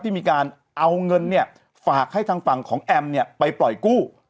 มีการเอาเงินเนี่ยฝากให้ทางฝั่งของแอมเนี่ยไปปล่อยกู้